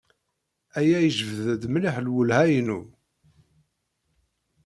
Aya ijebbed-d mliḥ lwelha-inu.